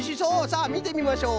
さあみてみましょう。